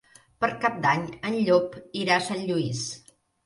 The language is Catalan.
Per Cap d'Any en Llop irà a Sant Lluís.